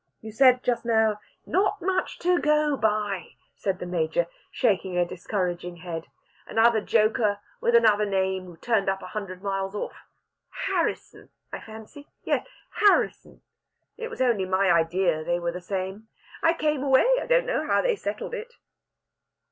You said just now...." "Not much to go by," said the Major, shaking a discouraging head. "Another joker with another name, who turned up a hundred miles off! Harrisson, I fancy yes, Harrisson. It was only my idea they were the same. I came away, and don't know how they settled it."